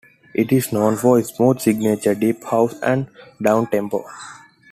It is known for smooth signature deep house and downtempo.